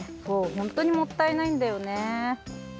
そうほんとにもったいないんだよね。